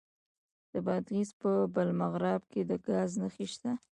د بادغیس په بالامرغاب کې د ګاز نښې شته.